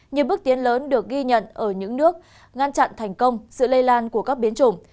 nhiều bước tiến lớn được ghi nhận ở những nước ngăn chặn thành công sự lây lan của các biến chủng